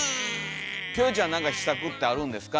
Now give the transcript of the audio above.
キョエちゃん何か秘策ってあるんですか？